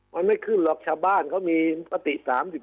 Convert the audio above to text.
มันไม่ขึ้นหรอกชาวบ้านเขามีมติ๓๔